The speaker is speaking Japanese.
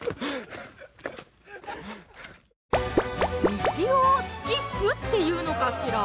一応スキップっていうのかしら？